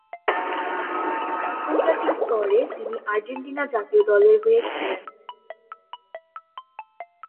আন্তর্জাতিক স্তরে তিনি আর্জেন্টিনা জাতীয় দলের হয়ে খেলেন।